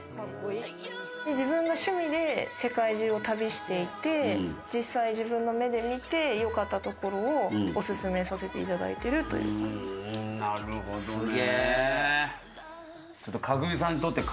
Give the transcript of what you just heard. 自分が趣味で世界中を旅していて、実際、自分の目で見て、良かったところをおすすめさせていただいなるほどね。